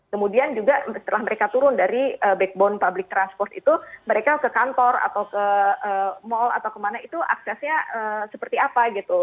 kemudian juga setelah mereka turun dari backbone public transport itu mereka ke kantor atau ke mall atau kemana itu aksesnya seperti apa gitu